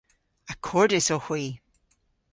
Akordys owgh hwi.